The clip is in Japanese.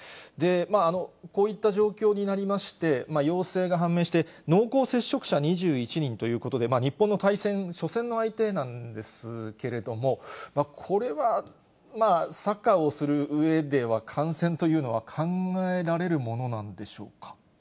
こういった状況になりまして、陽性が判明して、濃厚接触者２１人ということで、日本の対戦、初戦の相手なんですけれども、これはサッカーをするうえでは、感染というのは考えられるものなんでしょうか。